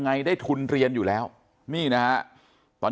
คุณยายบอกว่ารู้สึกเหมือนใครมายืนอยู่ข้างหลัง